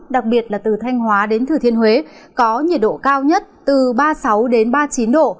đặc biệt là từ thanh hóa đến thừa thiên huế có nhiệt độ cao nhất từ ba mươi sáu đến ba mươi chín độ